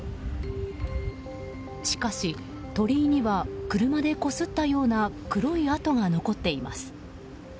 しかし、鳥居には車でこすったような黒い跡が残っています。